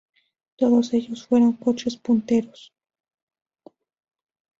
Todos ellos fueron coches punteros.